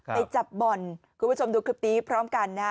ไปจับบ่อนคุณผู้ชมดูคลิปนี้พร้อมกันนะฮะ